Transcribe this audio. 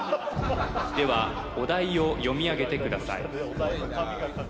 ではお題を読み上げてください